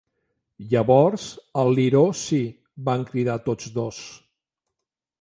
"Llavors el liró sí!", van cridar tots dos.